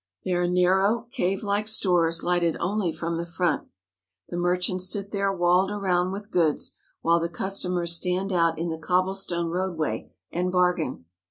They are narrow, cave like stores lighted only from the front. The merchants sit there walled around with goods, while the customers stand out in the cobblestone roadway and bargain.